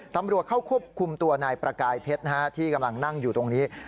ตำรวจเข้าควบคุมตัวนายประกายเพชรที่กำลังนั่งอยู่ตรงนี้